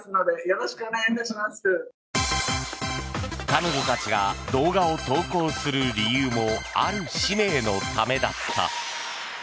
彼女たちが動画を投稿する理由もある使命のためだった。